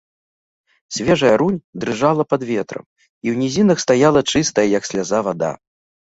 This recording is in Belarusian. Свежая рунь дрыжала пад ветрам, і ў нізінах стаяла чыстая, як сляза, вада.